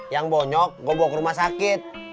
yang bonyok gue bawa ke rumah sakit